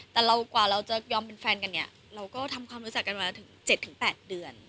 แต่เรากว่าเราจะยอมเป็นแฟนกันเนี่ยเราก็ทำความรู้จักกันมาถึง๗๘เดือน